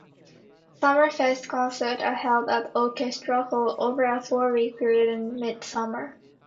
Sommerfest concerts are held at Orchestra Hall over a four-week period in midsummer.